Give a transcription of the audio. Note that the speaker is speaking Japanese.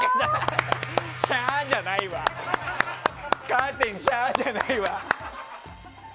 カーテン、シャーじゃないわ！